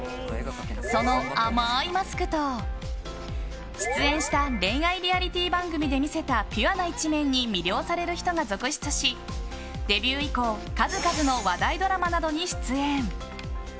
その甘いマスクと、出演した恋愛リアリティー番組で見せたピュアな一面に魅了される人が続出しデビュー以降数々の話題ドラマなどに出演。